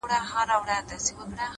هر منزل د ژمنتیا غوښتنه کوي،